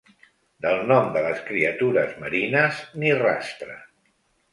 Dels noms de les criatures marines, ni rastre.